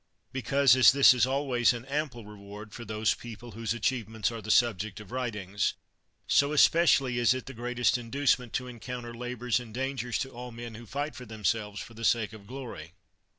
Because, as this is always an ample reward for those people whose achievements are the subject of writings, so especially is it the greatest inducement to encounter labors and dangers to all men who fight for themselves for the sake of glory.